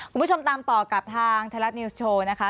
คุณผู้ชมตามต่อกับทางไทยรัฐนิวส์โชว์นะคะ